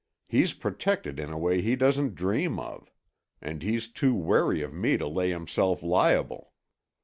He's protected in a way he doesn't dream of. And he's too wary of me to lay himself liable.